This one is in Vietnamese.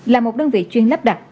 là một đơn vị chuyên lắp đặt